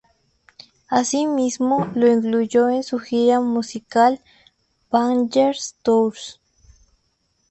Asimismo, lo incluyó en su gira musical Bangerz Tour.